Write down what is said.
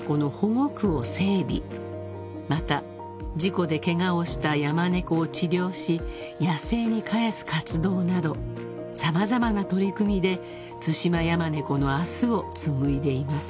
［また事故でケガをしたヤマネコを治療し野生に返す活動など様々な取り組みでツシマヤマネコの明日を紡いでいます］